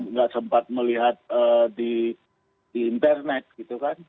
nggak sempat melihat di internet gitu kan